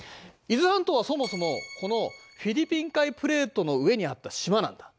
伊豆半島はそもそもこのフィリピン海プレートの上にあった島なんだ。